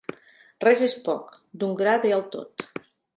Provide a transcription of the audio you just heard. Res és poc, d'un gra ve el tot.